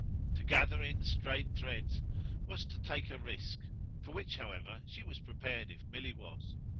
To gather in strayed threads was to take a risk for which, however, she was prepared if Milly was.